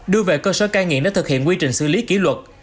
đưa về cơ sở cai nghiện để thực hiện quy trình xử lý kỷ luật